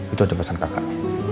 itu aja pesan kakak